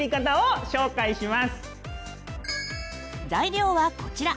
材料はこちら。